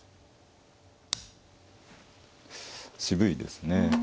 渋いですね。